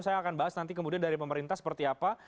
saya akan bahas nanti kemudian dari pemerintah seperti apa